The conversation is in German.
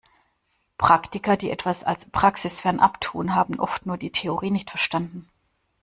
Praktiker, die etwas als praxisfern abtun, haben oft nur die Theorie nicht verstanden.